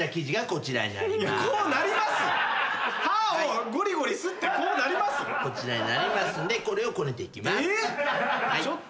こちらになりますんでこれをこねていきます。えっ！？